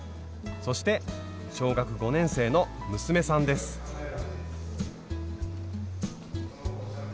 そして小学５年生の娘さんですハハハハッ。